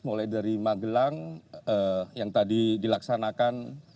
mulai dari magelang yang tadi dilaksanakan